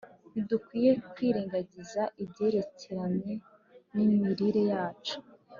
ntidukwiriye kwirengagiza ibyerekeranye n'imirire yacu